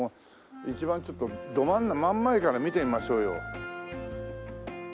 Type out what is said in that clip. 一番ちょっと真ん前から見てみましょうよ。